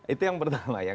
itu yang pertama